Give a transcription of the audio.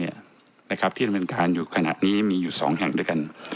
ที่ดำเนินการอยู่ขณะนี้มีอยู่๒แห่งด้วยกัน